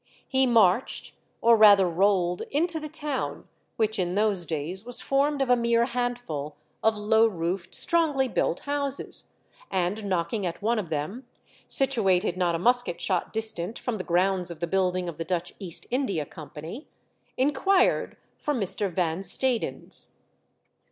He marched, or rather rolled, into the town, v/hich in those days was formed of a mere handful of low roofed, strongly built houses, and knocking at one of them, situated not a musket shot distant from the grounds of the building of the Dutch East India Company, inquired for Mr. Van Stadens.